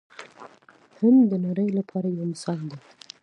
هند د نړۍ لپاره یو مثال دی.